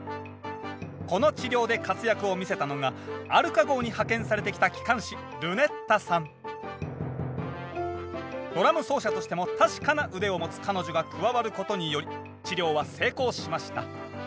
この治療で活躍を見せたのがアルカ号に派遣されてきたドラム奏者としても確かな腕を持つ彼女が加わることにより治療は成功しました。